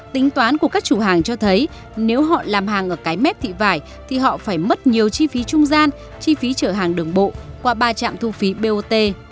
tính toán của các chủ hàng cho thấy nếu họ làm hàng ở cái mép thị vải thì họ phải mất nhiều chi phí trung gian chi phí chở hàng đường bộ qua ba trạm thu phí bot